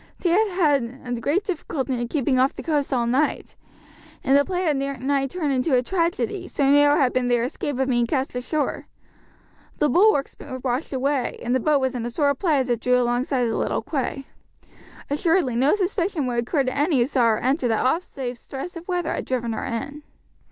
They had had great difficulty in keeping off the coast all night, and the play had nigh turned into a tragedy, so narrow had been their escape of being cast ashore. The bulwarks were washed away, and the boat was in a sore plight as it drew alongside the little quay. Assuredly no suspicion would occur to any who saw her enter that aught save stress of weather had driven her in.